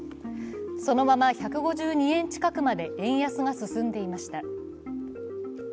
そのまま１５２円近くまで円安が進んでいました。